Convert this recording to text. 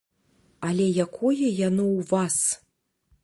Але якое яно ў вас?